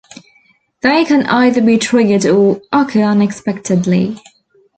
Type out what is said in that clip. They can either be triggered or occur unexpectedly.